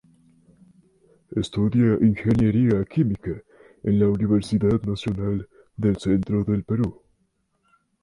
Estudia Ingeniería Química en la Universidad Nacional del Centro del Perú.